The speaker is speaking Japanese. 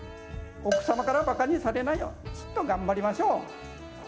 奥様からばかにされないようちっと頑張りましょう。